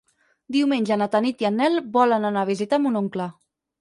Diumenge na Tanit i en Nel volen anar a visitar mon oncle.